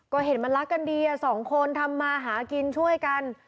ก็เห็นมันรักกันดีสองคนทำมาหากินช่วยกัน